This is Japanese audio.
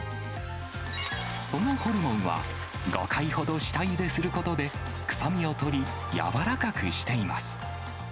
そのホルモンは、５回ほど下ゆですることで、臭みを取り、軟らかくしています。